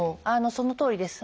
そのとおりです。